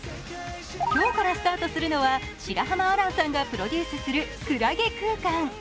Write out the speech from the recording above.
今日からスタートするのは白濱亜嵐さんがプロデュースする海月空間。